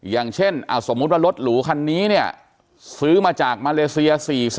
อย่างเช่นสมมุติว่ารถหรูคันนี้เนี่ยซื้อมาจากมาเลเซีย๔๐๐